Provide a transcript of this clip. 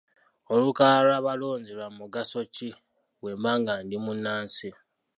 Olukalala lw'abalonzi lwa mugaso ki bwe mba nga ndi munnansi?